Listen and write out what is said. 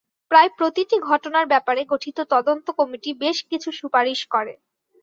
প্রায় প্রতিটি ঘটনার ব্যাপারে গঠিত তদন্ত কমিটি বেশ কিছু সুপারিশ করে।